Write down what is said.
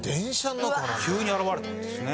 急に現れたんですね。